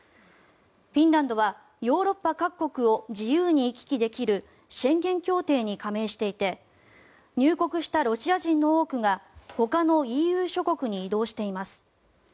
フィンランドはヨーロッパ各国を自由に行き来できるシェンゲン協定に加盟していて入国したロシア人の多くがほかのＥＵ諸国に移動しています。